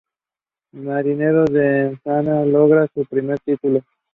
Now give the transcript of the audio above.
John Frankenheimer was the director and John Houseman the producer.